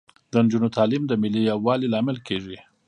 د نجونو تعلیم د ملي یووالي لامل کیږي.